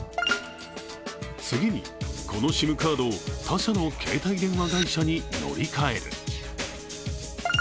次に、このＳＩＭカードを他社の携帯電話会社に乗り換える。